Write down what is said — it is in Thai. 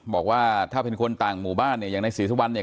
บอกว่าถ้าเป็นคนต่างหมู่บ้านเนี่ยอย่างในศรีสุวรรณเนี่ย